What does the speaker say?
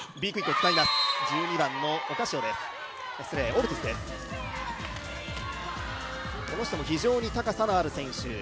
オルティスも非常に高さのある選手。